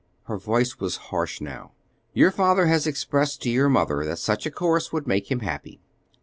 her voice was harsh now. "Your father has expressed to your mother that such a course would make him happy."